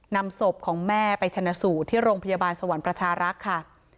นำศพของแม่ไปชนะสูตรที่โรงพยาบาลสวรรค์ประชารักษ์ค่ะ